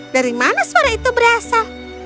dari mana suara itu berasal